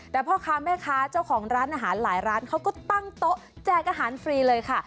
แต่พ่อค้าแม่ค้าเจ้าของร้านอาหารหลายร้านเขาก็ตั้งโต๊ะแจกอาหารฟรีเลยค่ะ